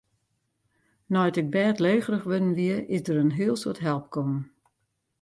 Nei't ik bêdlegerich wurden wie, is der in heel soad help kommen.